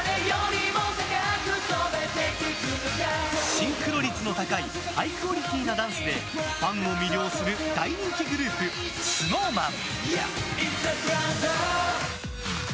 シンクロ率の高いハイクオリティーなダンスでファンを魅了する大人気グループＳｎｏｗＭａｎ。